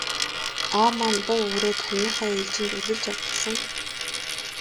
Аав маань буу үүрээд хониныхоо ээлжид үргэлж явдаг сан.